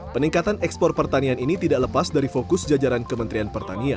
peningkatan ekspor pertanian ini tidak lepas dari fokus jajaran kementerian pertanian